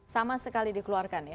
sama sekali dikeluarkan ya